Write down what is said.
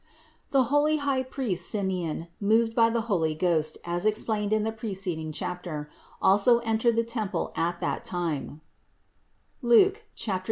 599. The holy high priest Simeon, moved by the Holy Ghost as explained in the preceding chapter, also entered the temple at that time (Luke 2, 27).